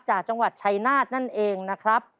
จากจังหวัดชัยนาธนั่นเองนะครับ